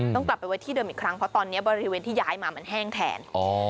ต้องกลับไปไว้ที่เดิมอีกครั้งเพราะตอนนี้บริเวณที่ย้ายมามันแห้งแทน